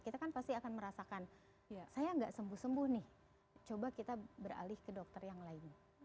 kita kan pasti akan merasakan saya nggak sembuh sembuh nih coba kita beralih ke dokter yang lain